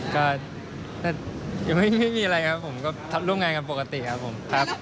ก็ยังไม่มีอะไรครับผมก็ร่วมงานกันปกติครับผมครับ